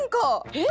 えっ！